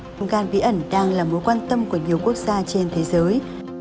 viêm gan bí ẩn đang là mối quan tâm của nhiều quốc gia trên thế giới